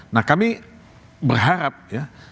nah kami berharap ya